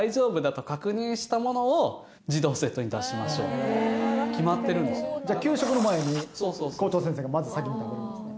校長が決まってるんですよじゃあ給食の前に校長先生がまず先に食べるんですね